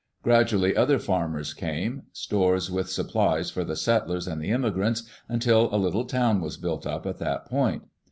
Gradually other farmers came, stores with supplies for the settlers and the immigrants, until a little town was built up at that point.